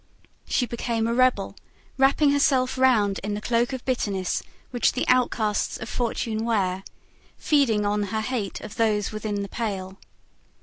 She became a rebel, wrapping herself round in the cloak of bitterness which the outcasts of fortune wear, feeding on her hate of those within the pale.